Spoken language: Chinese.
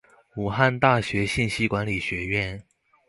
武汉大学信息管理学院